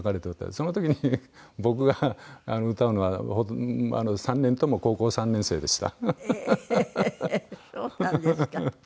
その時に僕が歌うのは３年とも『高校三年生』でした。